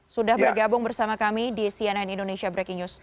sudah bergabung bersama kami di cnn indonesia breaking news